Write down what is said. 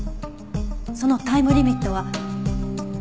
そのタイムリミットは７２時間。